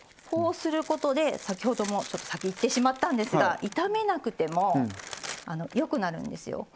こうすることで先ほどもちょっと先言ってしまったんですが炒めなくてもよくなるんですよ。